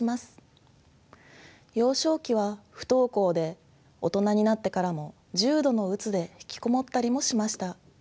幼少期は不登校で大人になってからも重度の鬱で引きこもったりもしました。